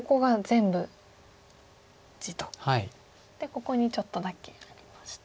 ここにちょっとだけありまして。